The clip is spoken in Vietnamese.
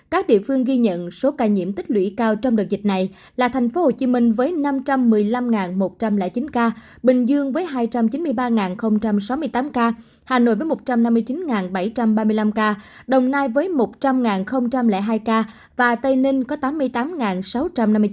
các địa phương ghi nhận số ca nhiễm tích lũy cao trong đợt dịch này là tp hcm với năm trăm một mươi năm một trăm linh chín ca bình dương với hai trăm chín mươi ba sáu mươi tám ca hà nội với một trăm năm mươi chín bảy trăm ba mươi năm ca đồng nai với một trăm linh hai ca và tây ninh có tám mươi tám sáu trăm năm mươi chín ca